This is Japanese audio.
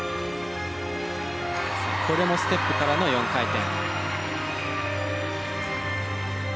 これもステップからの４回転。